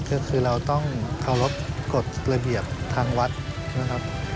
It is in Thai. ก็คือเราต้องเคารพกฎระเบียบทางวัดนะครับ